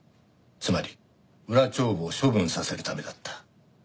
つまり裏帳簿を処分させるためだった。